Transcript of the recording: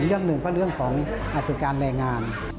อย่างหนึ่งก็เรื่องของอสุดการณ์แรงงาน